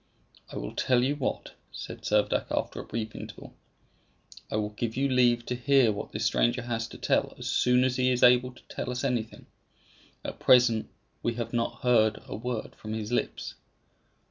"I will tell you what," said Servadac after a brief interval; "I will give you leave to hear what this stranger has to tell as soon as he is able to tell us anything; at present we have not heard a word from his lips."